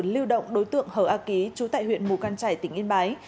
lưu động đối tượng hở a ký chú tại huyện mù căn trải tỉnh yên bái